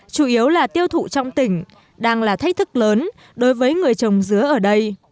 chủ yếu là tiêu thụ trong tỉnh đang là thách thức lớn đối với người trồng dứa ở đây